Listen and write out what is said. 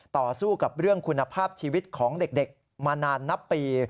ต่อสู้กับเรื่องคุณภาพชีวิตของเด็กมานานนับปี